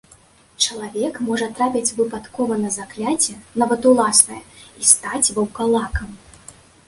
Чалавек можа трапіць выпадкова на закляцце, нават уласнае, і стаць ваўкалакам.